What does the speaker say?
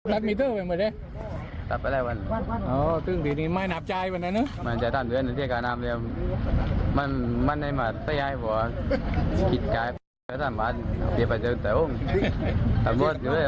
รถนี้เค้าอำนวจจะเสียให้